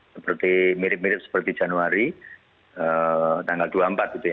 seperti mirip mirip seperti januari tanggal dua puluh empat gitu ya